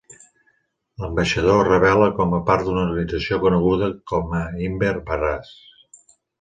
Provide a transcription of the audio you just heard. L'ambaixador es revela com a part d'una organització coneguda com a Inver Brass.